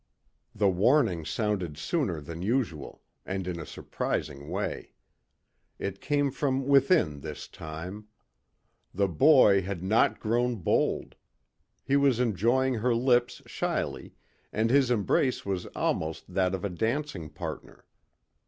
The warning sounded sooner than usual, and in a surprising way. It came from within this time. The boy had not grown bold. He was enjoying her lips shyly and his embrace was almost that of a dancing partner.